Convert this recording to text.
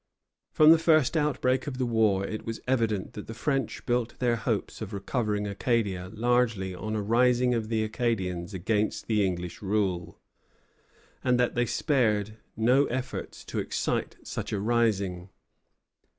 From the first outbreak of the war it was evident that the French built their hopes of recovering Acadia largely on a rising of the Acadians against the English rule, and that they spared no efforts to excite such a rising.